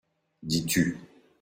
Dis-tu.